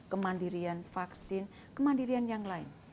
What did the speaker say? kemandirian vaksin kemandirian yang lain